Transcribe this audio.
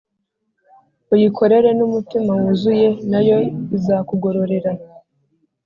uyikorere n umutima wuzuye nayo izakugororera